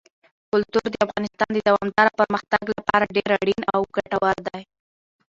کلتور د افغانستان د دوامداره پرمختګ لپاره ډېر اړین او ګټور دی.